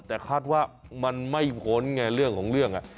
แต่คาดว่ามันไม่พ้นไงเรื่องของเรื่อง